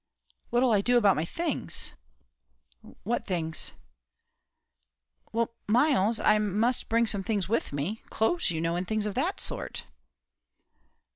"What 'll I do about my things?" "What things?" "Why, Myles, I must bring some things with me; clothes, you know, and things of that sort."